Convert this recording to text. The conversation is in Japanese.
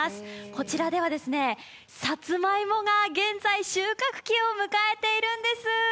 こちらでは、さつまいもが現在収穫期を迎えているんです。